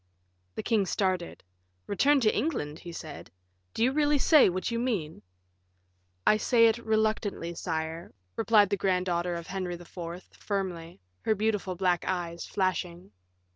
The king started. "Return to England," he said; "do you really say what you mean?" "I say it reluctantly, sire," replied the grand daughter of Henry IV., firmly, her beautiful black eyes flashing.